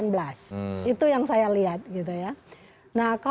bukannya ya rude issance